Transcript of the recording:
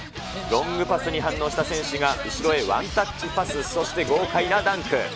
ロングパスに反応した選手が後ろへワンタッチパス、そして豪快なダンク。